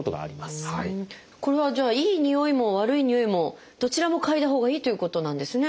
これはじゃあいいにおいも悪いにおいもどちらも嗅いだほうがいいということなんですね。